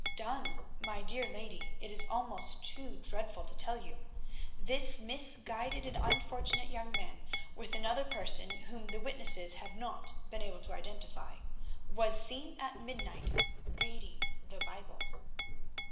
"Done? My dear lady, it is almost too dreadful to tell you. This misguided and unfortunate young man, with another person whom the witnesses have not been able to identify, was seen at midnight reading the Bible."